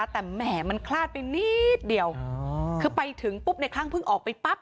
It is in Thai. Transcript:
แต่แหมมันคลาดไปนิดเดียวคือไปถึงปุ๊บในคลั่งเพิ่งออกไปปั๊บ